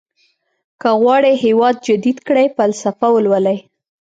که غواړئ هېواد جديد کړئ فلسفه ولولئ.